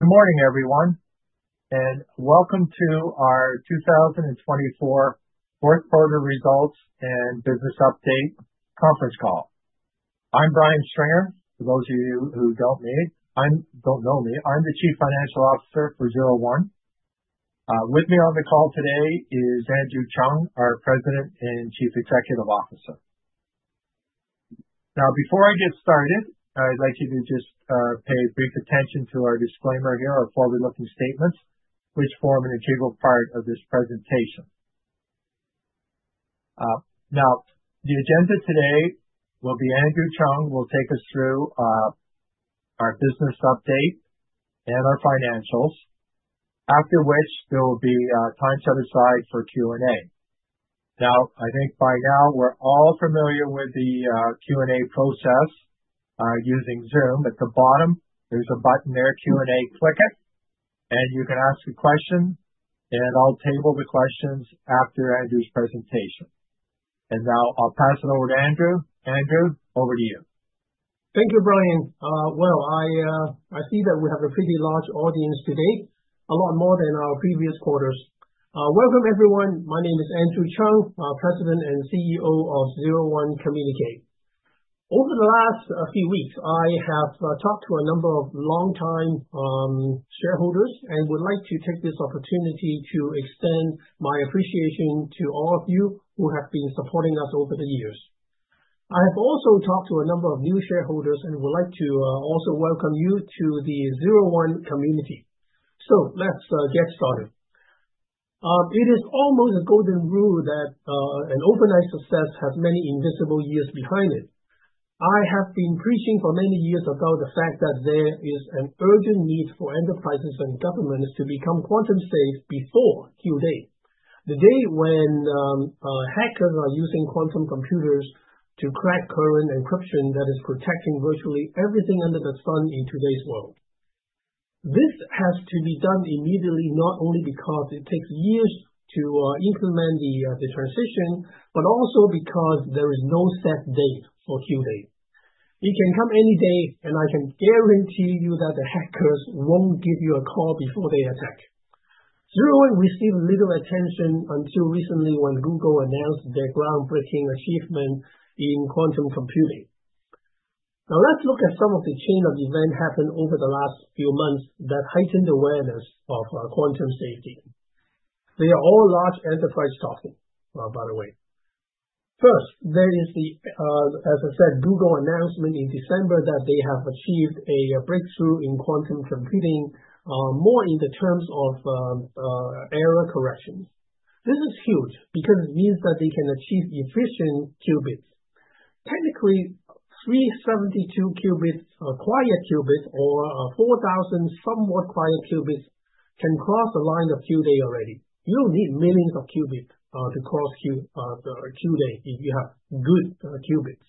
Good morning, everyone, welcome to our 2024 fourth quarter results and business update conference call. I'm Brian Stringer. For those of you who don't know me, I'm the Chief Financial Officer for 01. With me on the call today is Andrew Cheung, our President and Chief Executive Officer. Before I get started, I'd like you to just pay brief attention to our disclaimer here, our forward-looking statements, which form an integral part of this presentation. The agenda today will be Andrew Cheung will take us through our business update and our financials. After which, there will be time set aside for Q&A. I think by now we're all familiar with the Q&A process using Zoom. At the bottom, there's a button there, Q&A. Click it and you can ask a question, then I'll table the questions after Andrew's presentation. Now I'll pass it over to Andrew. Andrew, over to you. Thank you, Brian. Well, I see that we have a pretty large audience today, a lot more than our previous quarters. Welcome everyone. My name is Andrew Cheung, President and CEO of 01 Communique. Over the last few weeks, I have talked to a number of longtime shareholders and would like to take this opportunity to extend my appreciation to all of you who have been supporting us over the years. I have also talked to a number of new shareholders and would like to also welcome you to the 01 community. Let's get started. It is almost a golden rule that an overnight success has many invisible years behind it. I have been preaching for many years about the fact that there is an urgent need for enterprises and governments to become quantum safe before Q-Day. The day when hackers are using quantum computers to crack current encryption that is protecting virtually everything under the sun in today's world. This has to be done immediately, not only because it takes years to implement the transition, but also because there is no set date for Q-Day. It can come any day. I can guarantee you that the hackers won't give you a call before they attack. 01 received little attention until recently when Google announced their groundbreaking achievement in quantum computing. Let's look at some of the chain of event happened over the last few months that heightened awareness of quantum safety. They are all large enterprise talking, by the way. There is the, as I said, Google announcement in December that they have achieved a breakthrough in quantum computing, more in the terms of error corrections. This is huge because it means that they can achieve efficient qubits. Technically, 372 qubits, quiet qubits or, 4,000-somewhat quiet qubits can cross the line of Q-Day already. You don't need millions of qubits to cross the Q-Day if you have good qubits.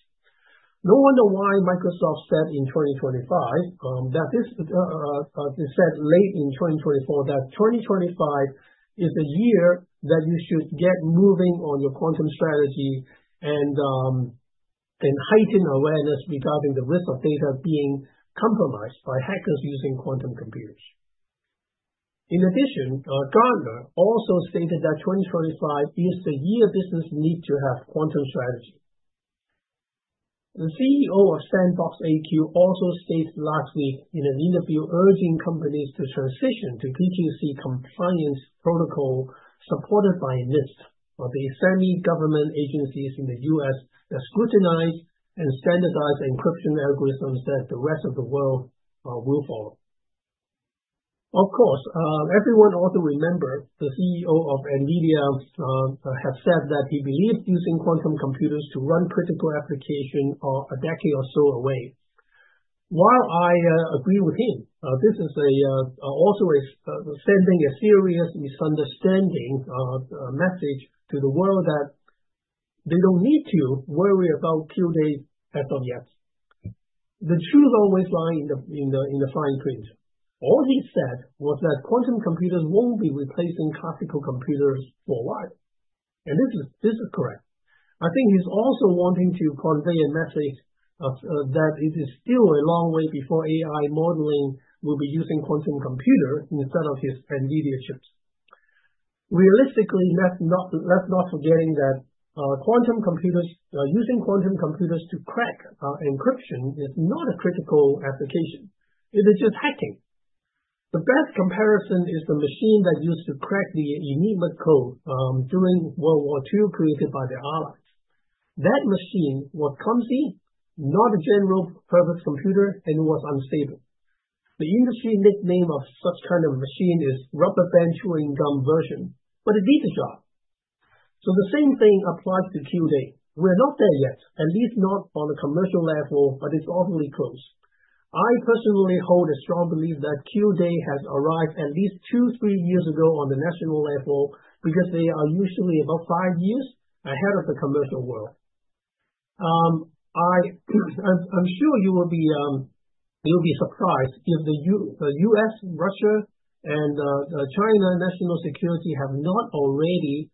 No wonder why Microsoft said in 2025 that this they said late in 2024 that 2025 is the year that you should get moving on your quantum strategy and heighten awareness regarding the risk of data being compromised by hackers using quantum computers. In addition, Gartner also stated that 2025 is the year business need to have quantum strategy. The CEO of SandboxAQ also stated last week in an interview urging companies to transition to PQC compliance protocol supported by NIST. For the semi-government agencies in the U.S. that scrutinize and standardize encryption algorithms that the rest of the world will follow. Of course, everyone also remember the CEO of NVIDIA have said that he believes using quantum computers to run critical applications are a decade or so away. While I agree with him, this is also sending a serious misunderstanding message to the world that they don't need to worry about Q-Day as of yet. The truth always lies in the fine print. All he said was that quantum computers won't be replacing classical computers for a while. This is correct. I think he's also wanting to convey a message of, that it is still a long way before AI modeling will be using quantum computer instead of his NVIDIA chips. Realistically, let's not forgetting that, using quantum computers to crack encryption is not a critical application. It is just hacking. The best comparison is the machine that used to crack the Enigma code during World War II, created by the Allies. That machine was clumsy, not a general-purpose computer, and was unstable. The industry nickname of such kind of machine is Rubber Band Chewing Gum version, but it did the job. The same thing applies to Q-Day. We're not there yet, at least not on a commercial level, but it's awfully close. I personally hold a strong belief that Q-Day has arrived at least two, three years ago on the national level because they are usually about five years ahead of the commercial world. I'm sure you will be surprised if the U.S., Russia, and the China National Security have not already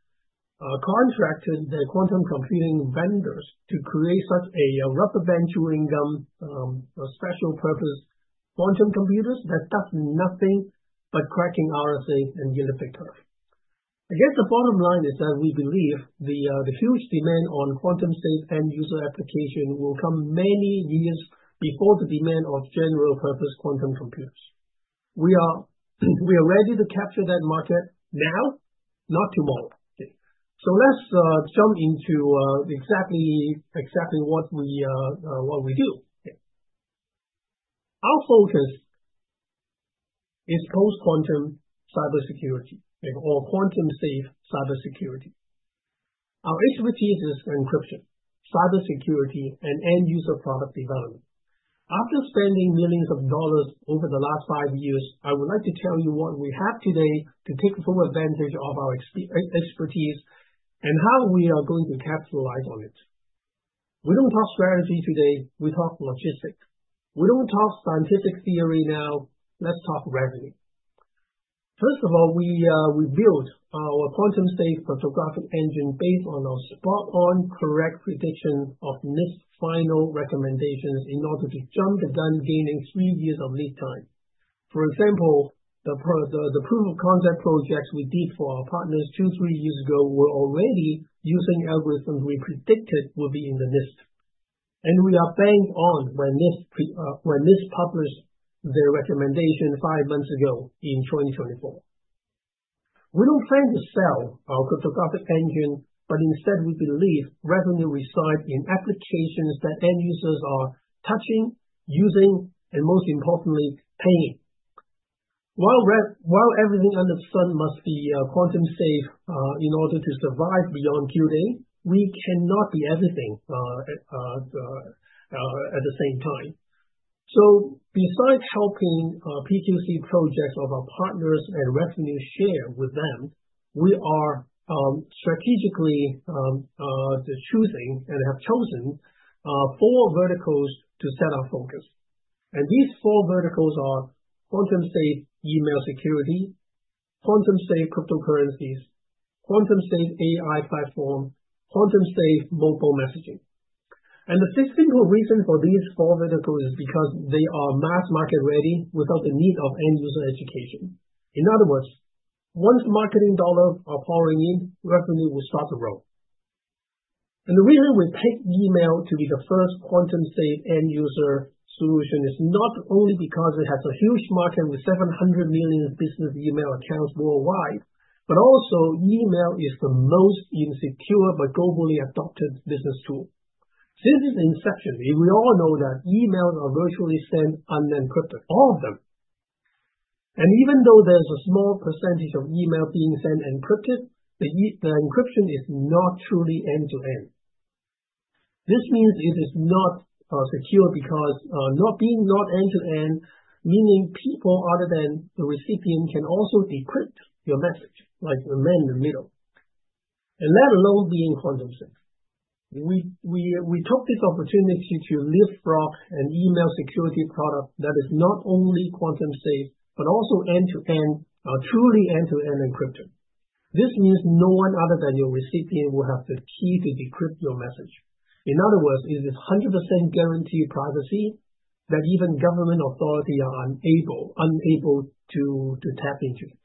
contracted the quantum computing vendors to create such a rubber band chewing gum, a special purpose quantum computers that does nothing but cracking RSA and elliptic curve. I guess the bottom line is that we believe the huge demand on quantum-safe end-user application will come many years before the demand of general purpose quantum computers. We are ready to capture that market now, not tomorrow. Let's jump into exactly what we do. Our focus is post-quantum cybersecurity or quantum-safe cybersecurity. Our expertise is encryption, cybersecurity, and end-user product development. After spending millions of dollars over the last five years, I would like to tell you what we have today to take full advantage of our expertise and how we are going to capitalize on it. We don't talk strategy today, we talk logistics. We don't talk scientific theory now, let's talk revenue. First of all, we built our quantum safe cryptographic engine based on our spot on correct prediction of NIST final recommendations in order to jump the gun gaining three years of lead time. For example, the proof of concept projects we did for our partners two, three years ago were already using algorithms we predicted will be in the NIST. We are bang on when NIST published their recommendation five months ago in 2024. We don't plan to sell our cryptographic engine, instead we believe revenue reside in applications that end users are touching, using, and most importantly, paying. While everything under the sun must be quantum safe in order to survive beyond Q-Day, we cannot be everything at the same time. Besides helping PQC projects of our partners and revenue share with them, we are strategically choosing and have chosen four verticals to set our focus. These four verticals are quantum-safe email security, quantum-safe cryptocurrencies, quantum-safe AI platform, quantum-safe mobile messaging. The physical reason for these four verticals is because they are mass market ready without the need of end user education. In other words, once marketing dollar are pouring in, revenue will start to roll. The reason we pick email to be the first quantum safe end-user solution is not only because it has a huge market with 700 million business email accounts worldwide, but also email is the most insecure but globally adopted business tool. Since its inception, we all know that emails are virtually sent unencrypted, all of them. Even though there's a small percentage of email being sent encrypted, the encryption is not truly end-to-end. This means it is not secure because not being not end-to-end, meaning people other than the recipient can also decrypt your message, like the man in the middle. Let alone being quantum safe. We took this opportunity to lift off an email security product that is not only quantum safe, but also truly end-to-end encrypted. This means no one other than your recipient will have the key to decrypt your message. In other words, it is 100% guaranteed privacy that even government authority are unable to tap into it.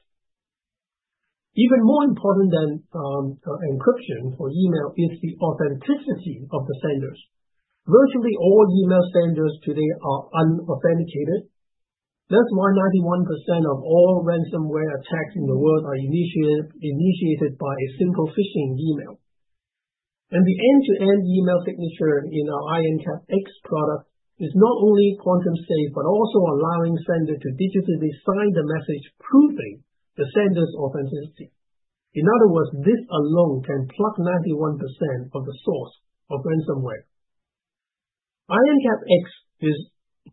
Even more important than encryption for email is the authenticity of the senders. Virtually all email senders today are unauthenticated. That's why 91% of all ransomware attacks in the world are initiated by a simple phishing email. The end-to-end email signature in our IronCAP X product is not only quantum safe, but also allowing sender to digitally sign the message, proving the sender's authenticity. In other words, this alone can plug 91% of the source of ransomware. IronCAP X is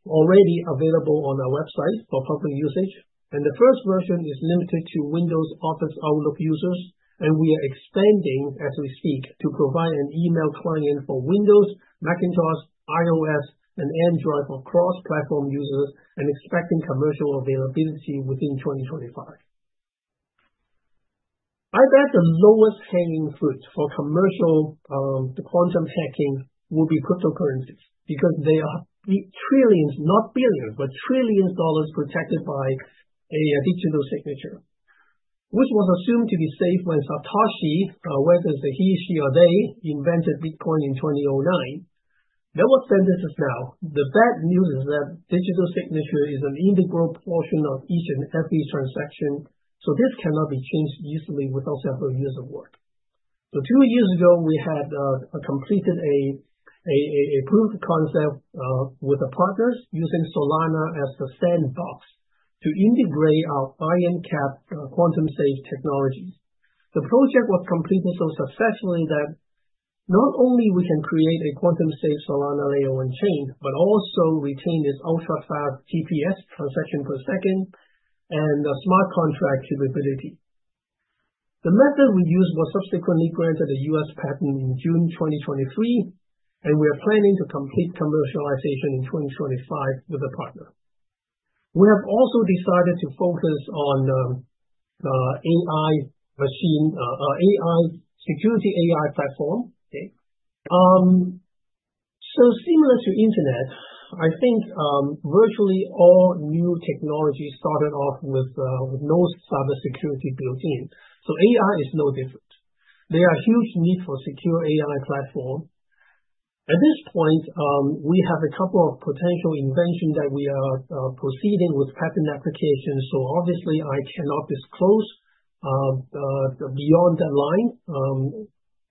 already available on our website for public usage, and the first version is limited to Windows Office Outlook users, and we are expanding as we speak to provide an email client for Windows, Macintosh, iOS, and Android for cross-platform users and expecting commercial availability within 2025. I bet the lowest hanging fruit for commercial quantum hacking will be cryptocurrencies because they are trillions, not billions, but trillions dollars protected by a digital signature, which was assumed to be safe when Satoshi, whether he, she or they, invented Bitcoin in 2009. The bad news is that digital signature is an integral portion of each and every transaction, this cannot be changed easily without several years of work. Two years ago, we had completed a proof of concept with the partners using Solana as the sandbox to integrate our IronCAP quantum-safe technologies. The project was completed so successfully that not only we can create a quantum-safe Solana layer-one chain, but also retain its ultra-fast TPS, transaction per second, and a smart contract capability. The method we used was subsequently granted a U.S. patent in June 2023, and we are planning to complete commercialization in 2025 with a partner. We have also decided to focus on AI security AI platform. Okay. Similar to internet, I think, virtually all new technology started off with no cybersecurity built in. AI is no different. There are huge need for secure AI platform. At this point, we have a couple of potential invention that we are proceeding with patent applications, so obviously I cannot disclose beyond that line,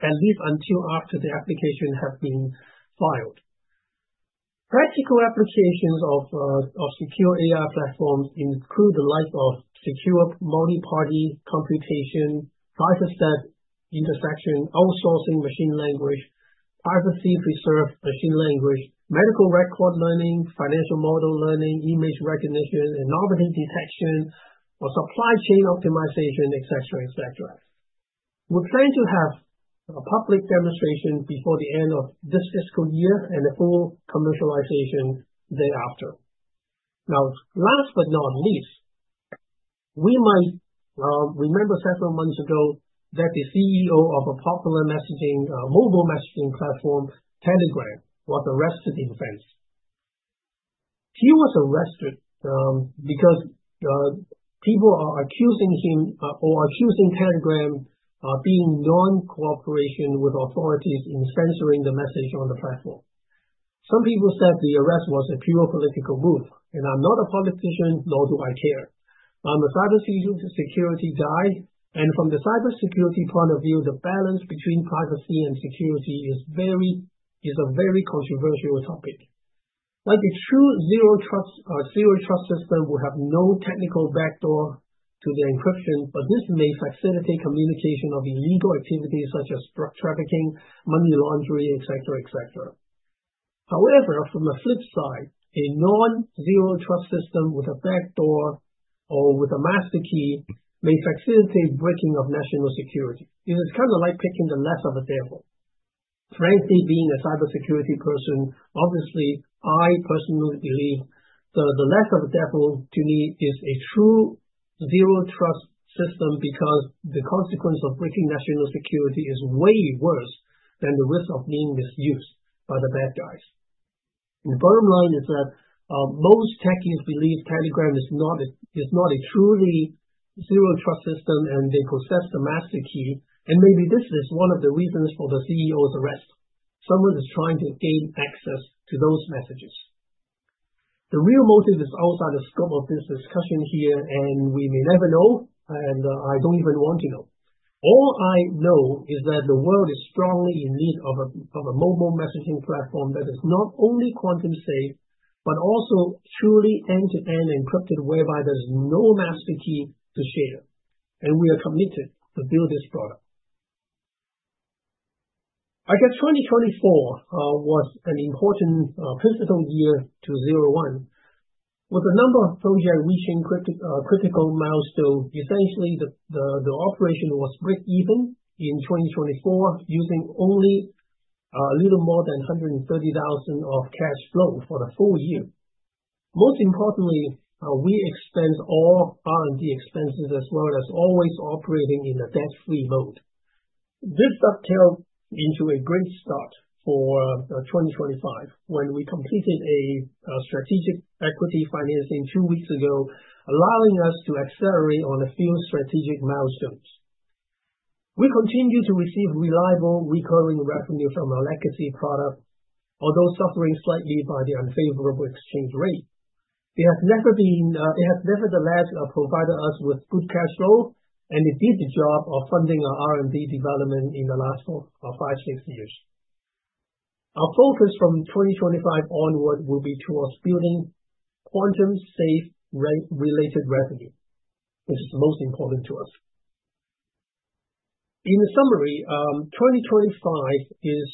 at least until after the application has been filed. Practical applications of secure AI platforms include the likes of secure multi-party computation, Private Set Intersection, outsourcing machine language, privacy preserved machine language, medical record learning, financial model learning, image recognition, anomaly detection, or supply chain optimization, etc, etc. We're planning to have a public demonstration before the end of this fiscal year and a full commercialization thereafter. Last but not least, we might remember several months ago that the CEO of a popular messaging, mobile messaging platform, Telegram, was arrested in France. He was arrested because people are accusing him or accusing Telegram of being non-cooperation with authorities in censoring the message on the platform. Some people said the arrest was a pure political move, and I'm not a politician, nor do I care. I'm a cybersecurity guy, and from the cybersecurity point of view, the balance between privacy and security is a very controversial topic. Like a true zero trust, zero trust system will have no technical backdoor to the encryption, but this may facilitate communication of illegal activities such as drug trafficking, money laundering, etc, etc. From the flip side, a non-zero trust system with a backdoor or with a master key may facilitate breaking of national security. It is kind of like picking the lesser of the devil. Frankly, being a cybersecurity person, obviously I personally believe the lesser of the devil to me is a true zero-trust system because the consequence of breaking national security is way worse than the risk of being misused by the bad guys. The bottom line is that most techies believe Telegram is not a truly zero-trust system and they possess the master key, and maybe this is one of the reasons for the CEO's arrest. Someone is trying to gain access to those messages. The real motive is outside the scope of this discussion here. We may never know. I don't even want to know. All I know is that the world is strongly in need of a mobile messaging platform that is not only quantum safe, but also truly end-to-end encrypted whereby there's no master key to share. We are committed to build this product. I guess 2024 was an important pivotal year to 01. With a number of project reaching critical milestone, essentially the operation was breakeven in 2024 using only a little more than 130,000 of cash flow for the full year. Most importantly, we expend all R&D expenses as well as always operating in a debt-free mode. This uptick into a great start for 2025 when we completed a strategic equity financing two weeks ago, allowing us to accelerate on a few strategic milestones. We continue to receive reliable recurring revenue from our legacy product, although suffering slightly by the unfavorable exchange rate. It has never been, it has nevertheless, provided us with good cash flow, and it did the job of funding our R&D development in the last five, six years. Our focus from 2025 onward will be towards building quantum-safe related revenue, which is most important to us. In summary, 2025 is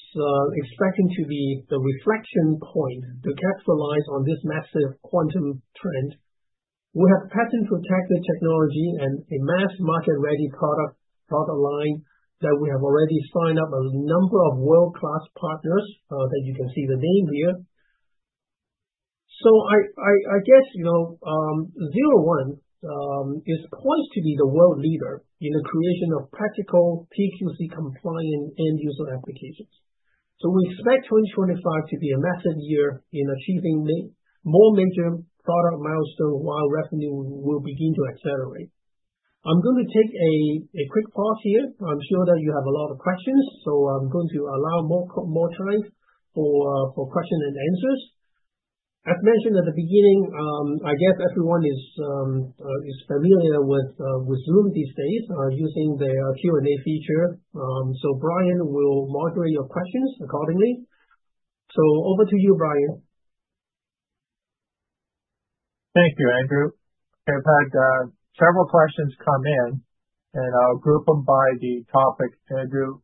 expecting to be the reflection point to capitalize on this massive quantum trend. We have patent-protected technology and a mass market-ready product line that we have already signed up a number of world-class partners that you can see the name here. I guess, you know, 01 is poised to be the world leader in the creation of practical PQC compliant end-user applications. We expect 2025 to be a massive year in achieving the more major product milestone while revenue will begin to accelerate. I'm gonna take a quick pause here. I'm sure that you have a lot of questions, so I'm going to allow more time for question-and-answers. I've mentioned at the beginning, I guess everyone is familiar with Zoom these days, using their Q&A feature. Brian will moderate your questions accordingly. Over to you, Brian. Thank you, Andrew. I've had several questions come in. I'll group them by the topics, Andrew.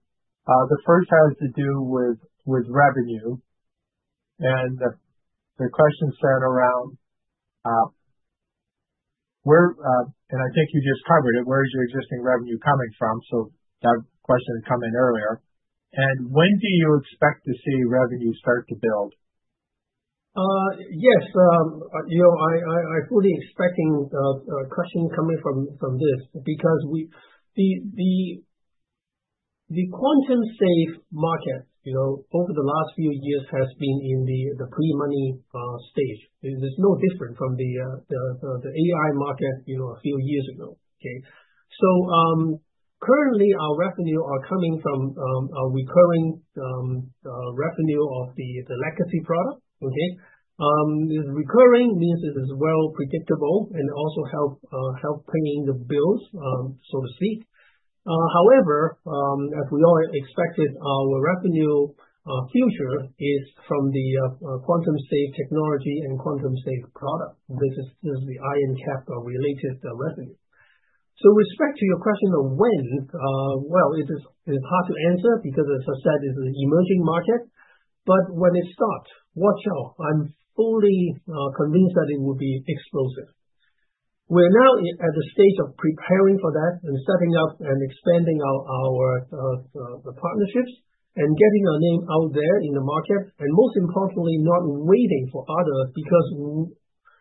The first has to do with revenue. The question centered around where, and I think you just covered it, where is your existing revenue coming from? That question had come in earlier. When do you expect to see revenue start to build? Yes. You know, I fully expecting a question coming from this because the quantum-safe market, you know, over the last few years has been in the pre-money stage. It is no different from the AI market, you know, a few years ago. Okay? Currently our revenue are coming from a recurring revenue of the legacy product. Okay? Recurring means it is well predictable and also help paying the bills, so to speak. However, as we all expected, our revenue future is from the quantum-safe technology and quantum-safe product. This is the IronCAP related revenue. With respect to your question of when, well, it is hard to answer because as I said, it's an emerging market, but when it starts, watch out. I'm fully convinced that it will be explosive. We're now at the stage of preparing for that and setting up and expanding our partnerships and getting our name out there in the market, and most importantly, not waiting for others because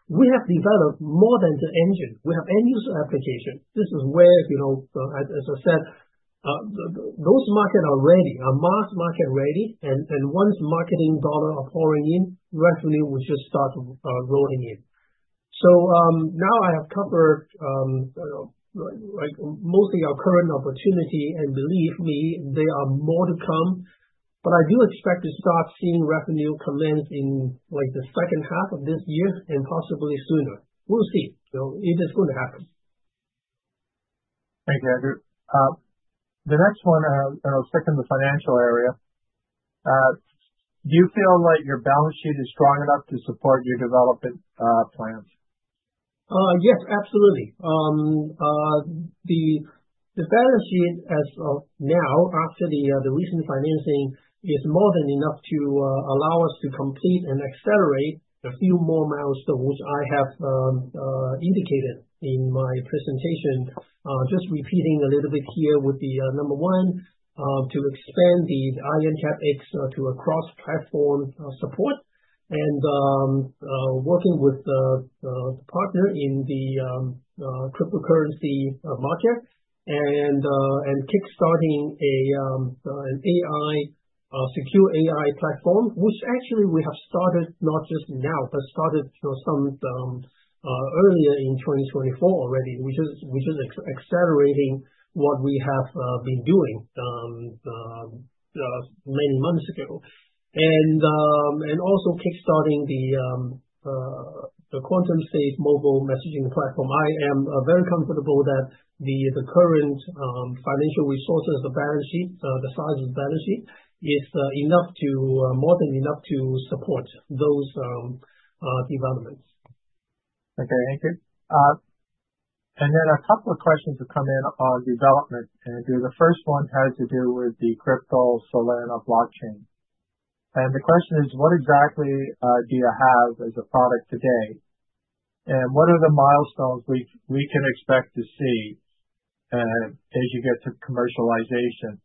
we have developed more than the engine. We have end-user application. This is where, you know, as I said, those market are ready, are mass market ready, and once marketing dollar are pouring in, revenue will just start rolling in. Now I have covered, like mostly our current opportunity, and believe me, there are more to come. I do expect to start seeing revenue commence in like the second half of this year and possibly sooner. We'll see. It is going to happen. Thanks, Andrew. The next one, I'll stick in the financial area. Do you feel like your balance sheet is strong enough to support your development plans? Yes, absolutely. The balance sheet as of now after the recent financing is more than enough to allow us to complete and accelerate a few more milestones I have indicated in my presentation. Just repeating a little bit here with the number one, to expand the IronCAP X to a cross-platform support and working with the partner in the cryptocurrency market and kickstarting a secure AI platform, which actually we have started not just now, but started, you know, some earlier in 2024 already. We're just accelerating what we have been doing many months ago. Also kickstarting the quantum-safe mobile messaging platform. I am very comfortable that the current financial resources, the balance sheet, the size of the balance sheet is enough to more than enough to support those developments. Okay. Thank you. A couple of questions have come in on development, Andrew. The first one has to do with the crypto Solana blockchain. The question is, what exactly do you have as a product today? What are the milestones we can expect to see as you get to commercialization?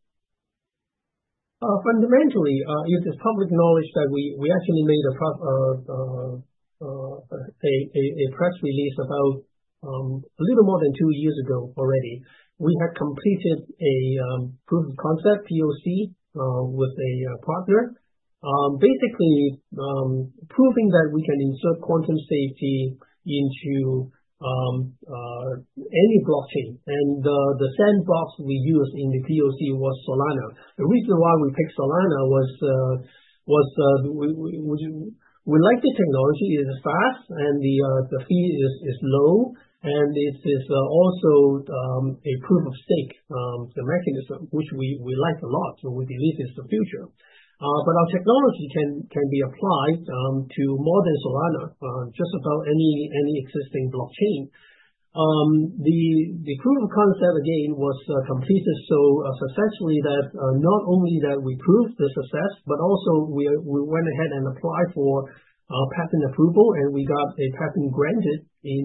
Fundamentally, it is public knowledge that we actually made a press release about a little more than two years ago already. We had completed a proof of concept, PoC, with a partner. Basically, proving that we can insert quantum safety into any blockchain. The sandbox we used in the PoC was Solana. The reason why we picked Solana was we like the technology. It is fast and the fee is low, and it is also a proof of stake, the mechanism which we like a lot, we believe it's the future. Our technology can be applied to more than Solana, just about any existing blockchain. The proof of concept again was completed so successfully that not only that we proved the success, but also we went ahead and applied for patent approval, and we got a patent granted in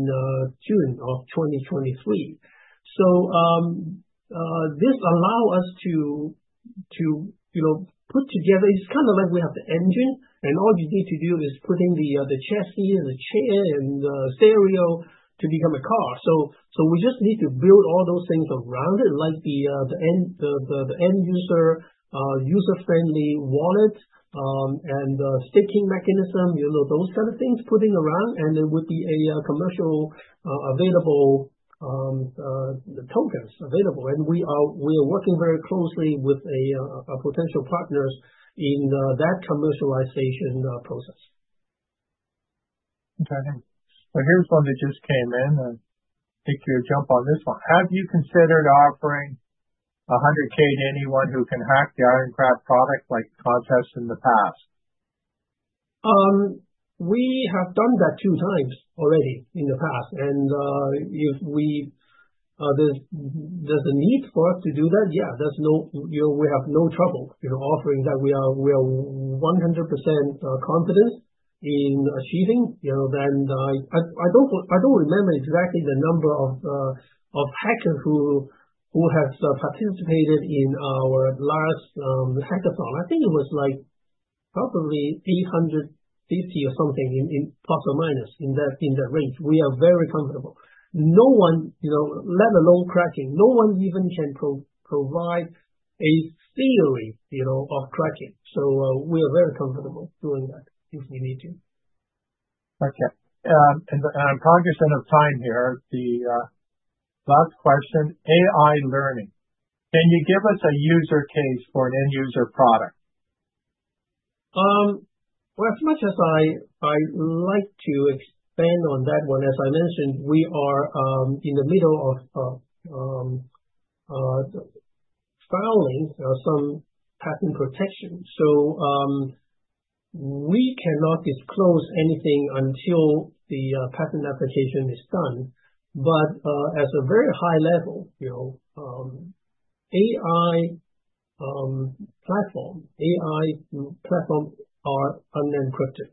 June of 2023. This allow us to, you know, put together. It's kind of like we have the engine and all you need to do is put in the chassis, the chair, and the stereo to become a car. We just need to build all those things around it, like the end user user-friendly wallet and the staking mechanism. You know, those kind of things putting around and there would be a commercial available tokens available. We are working very closely with a potential partners in that commercialization process. Okay. Here's one that just came in. I'll take your jump on this one. Have you considered offering 100,000 to anyone who can hack the IronCAP product like contests in the past? We have done that two times already in the past. If there's a need for us to do that. Yeah, there's no, you know, we have no trouble, you know, offering that. We are 100% confident in achieving, you know. I don't remember exactly the number of hackers who have participated in our last hackathon. I think it was like probably 850 or something in, plus or minus, in that range. We are very comfortable. No one, you know, let alone cracking, no one even can provide a theory, you know, of cracking. We are very comfortable doing that if we need to. Okay. I'm cognizant of time here. The last question, AI learning, can you give us a use case for an end-user product? Well, as much as I like to expand on that one, as I mentioned, we are in the middle of filing some patent protection. We cannot disclose anything until the patent application is done. At a very high level, you know, AI platforms are unencrypted.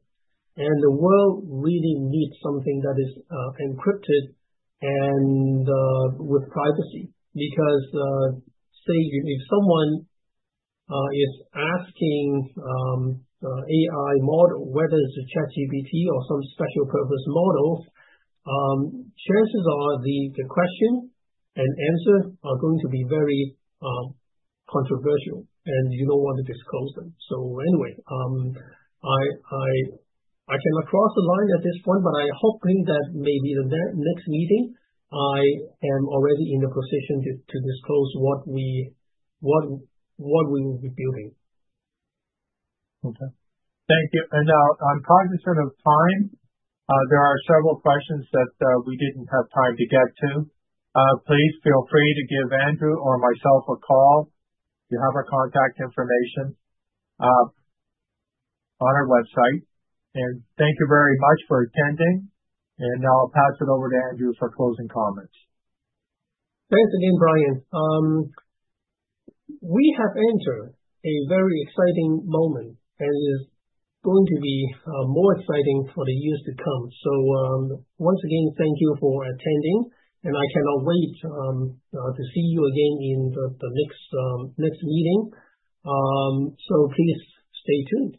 The world really needs something that is encrypted and with privacy. Say if someone is asking a AI model, whether it's a ChatGPT or some special purpose model, chances are the question-and-answer are going to be very controversial, and you don't want to disclose them. Anyway, I cannot cross the line at this point, but I'm hoping that maybe the next meeting, I am already in a position to disclose what we will be doing. Okay. Thank you. I'm cognizant of time. There are several questions that we didn't have time to get to. Please feel free to give Andrew or myself a call. You have our contact information on our website. Thank you very much for attending. I'll pass it over to Andrew for closing comments. Thanks again, Brian. We have entered a very exciting moment, it's going to be more exciting for the years to come. Once again, thank you for attending, I cannot wait to see you again in the next meeting. Please stay tuned.